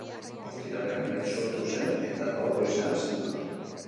Ostiralean gaixotu zen eta gaur goizean zendu da.